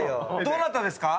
どなたですか？